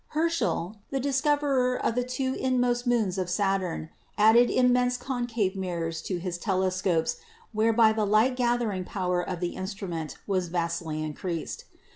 Herschel, the discoverer of the two inmost moons of Saturn, added immense concave mirrors 92 PHYSICS to his telescopes whereby the light gathering power of the instrument was vastly increased.